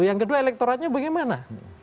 yang kedua elektoratnya bagaimana